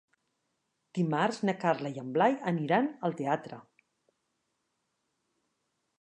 Dimarts na Carla i en Blai aniran al teatre.